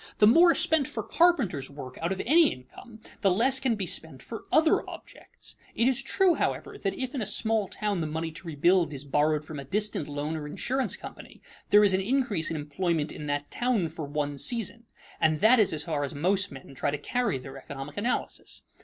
The more spent for carpenters' work out of any income, the less can be spent for other objects. It is true, however, that if in a small town the money to rebuild is borrowed from a distant loan or insurance company, there is an increase in employment in that town for one season; and that is as far as most men try to carry their economic analysis.